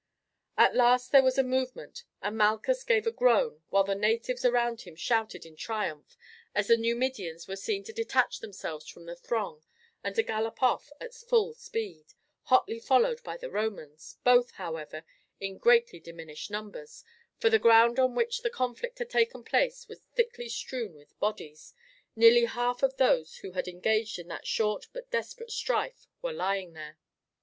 At last there was a movement, and Malchus gave a groan while the natives around him shouted in triumph as the Numidians were seen to detach themselves from the throng and to gallop off at full speed, hotly followed by the Romans, both, however, in greatly diminished numbers, for the ground on which the conflict had taken place was thickly strewn with bodies; nearly half of those who had engaged in that short but desperate strife were lying there.